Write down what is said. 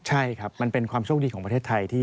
ใช่ครับมันเป็นความโชคดีของประเทศไทย